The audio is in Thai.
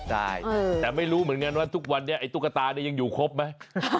ได้แต่ไม่รู้เหมือนกันว่าทุกวันนี้ไอ้ตุ๊กตานี่ยังอยู่ครบไหม